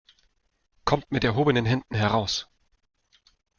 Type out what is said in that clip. Kommt mit erhobenen Händen heraus!